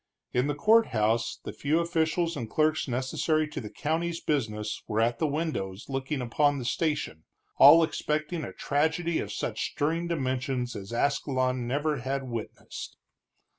In the courthouse the few officials and clerks necessary to the county's business were at the windows looking upon the station, all expecting a tragedy of such stirring dimensions as Ascalon never had witnessed.